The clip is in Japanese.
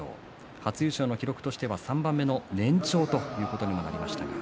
初優勝の記録としては３番目の年長ということになりました。